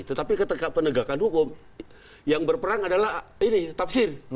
tetapi ketika penegakan hukum yang berperang adalah ini tafsir